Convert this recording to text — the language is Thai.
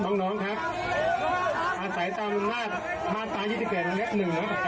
น้องน้องครับอาศัยตามหน้ามาตราสี่สิบสี่เกิดละเล็กหนึ่งนะครับ